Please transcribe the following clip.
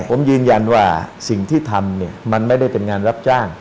ผมยืนยันว่าสิ่งที่ทำเนี่ยมันไม่ได้เป็นงานรับจ้าง